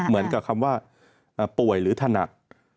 เหมือนกับคำว่าป่วยหรือถนัด